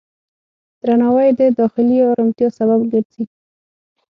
درناوی د داخلي آرامتیا سبب ګرځي.